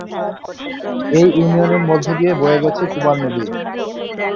এই ইউনিয়নের মধ্য দিয়ে বয়ে গেছে কুমার নদী।